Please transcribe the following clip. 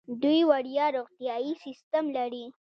دوی وړیا روغتیايي سیستم لري.